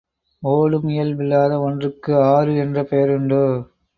ஒடும் இயல்பில்லாத ஒன்றுக்கு ஆறு என்று பெயருண்டோ?